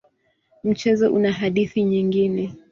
Mchezo una hadithi nyingine.